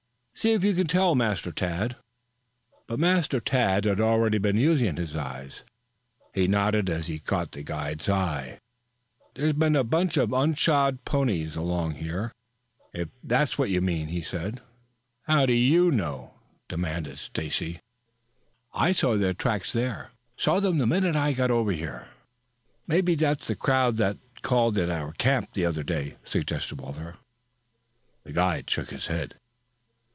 "See if you can tell, Master Tad." But Master Tad had already been using his eyes. He nodded as he caught the guide's eye. "There has been a bunch of unshod ponies along here, if that is what you mean," he said. "How do you know?" demanded Stacy. "I see their tracks there. Saw them the minute I got over here." "Maybe that's the crowd that called at our camp the other day," suggested Walter. The guide shook his head.